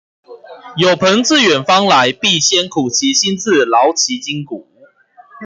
有朋自遠方來，必先苦其心志，勞其筋骨